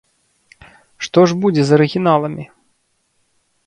Што ж будзе з арыгіналамі?